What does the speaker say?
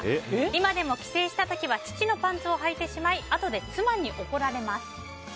今でも帰省した時は父のパンツをはいてしまいあとで妻に怒られます。